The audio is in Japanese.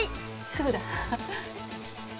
すぐだ。